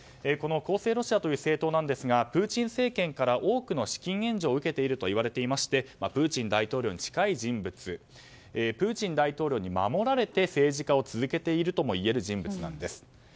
この公正ロシアという政党なんですがプーチン政権から多くの資金援助を受けているといわれていましてプーチン大統領に近い人物でありプーチン大統領に守られて政治家を続けているとも言える人物なんです。